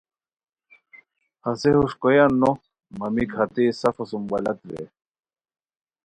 ہسے ہوݰ کویان نو، مہ میک ہتئے سفوسُم بلت رے